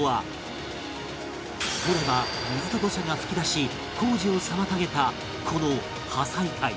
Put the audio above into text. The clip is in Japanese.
掘れば水と土砂が噴き出し工事を妨げたこの破砕帯